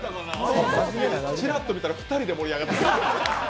ちらっと見たら、２人で盛り上がってた。